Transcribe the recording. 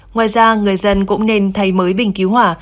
ngoài ra người dân cũng nên thay mới bình cứu hỏa